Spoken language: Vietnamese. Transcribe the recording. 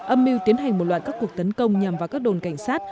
âm mưu tiến hành một loạt các cuộc tấn công nhằm vào các đồn cảnh sát